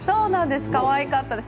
かわいかったです。